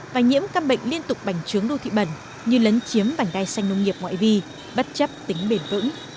và nhiễm căn bệnh liên tục bành trướng đô thị bẩn như lấn chiếm bảnh đai xanh nông nghiệp ngoại vi bất chấp tính bền vững